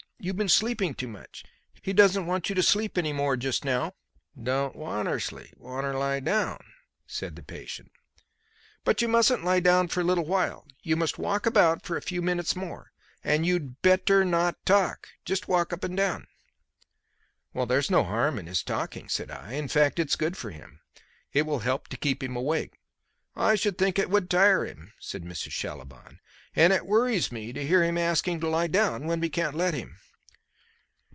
You've been sleeping too much. He doesn't want you to sleep any more just now." "Don't wanter sleep; wanter lie down," said the patient. "But you mustn't lie down for a little while. You must walk about for a few minutes more. And you'd better not talk. Just walk up and down." "There's no harm in his talking," said I; "in fact it's good for him. It will help to keep him awake." "I should think it would tire him," said Mrs. Schallibaum; "and it worries me to hear him asking to lie down when we can't let him."